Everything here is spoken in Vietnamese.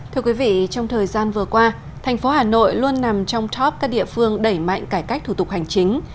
thưa quý vị trong thời gian vừa qua thành phố hà nội luôn nằm trong top các địa phương đẩy mạnh cải cách thủ tục hành chính